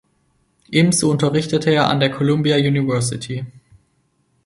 Ebenso unterrichtete er an der Columbia University.